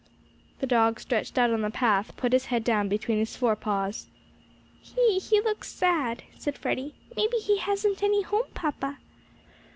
The dog stretched out on the path, his head down between his fore paws. "He he looks sad," said Freddie. "Maybe he hasn't any home, papa."